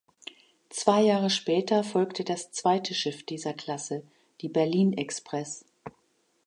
Zwei Jahre später folgte das zweite Schiff dieser Klasse, die "Berlin Express".